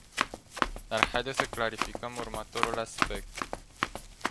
Dar haideți să clarificăm următorul aspect.